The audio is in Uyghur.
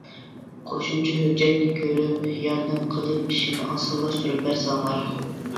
قوشۇمچە ھۆججەتنى كۆرۈپ، ياردەم قىلىپ ئىشىمنى ئاسانلاشتۇرۇپ بەرسەڭلار.